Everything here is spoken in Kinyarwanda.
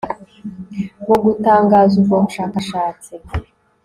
mu gutangaza ubwo bushakashatsi